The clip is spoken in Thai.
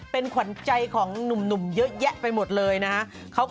เป็นขวัญใจของหนุ่มเยอะแยะไปหมดเลยนะฮะ